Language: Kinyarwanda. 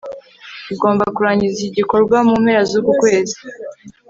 ugomba kurangiza iki gikorwa mu mpera zuku kwezi